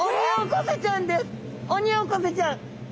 オニオコゼちゃんです。